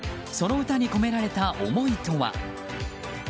その歌に込められた思いとは。